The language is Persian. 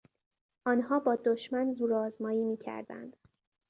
آنها با دشمن زورآزمایی میکردند.